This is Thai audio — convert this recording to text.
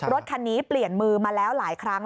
รถคันนี้เปลี่ยนมือมาแล้วหลายครั้ง